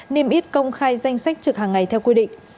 nên ít công khai danh sách trực hàng ngày theo quy định